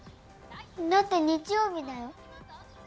だって日曜日だよ？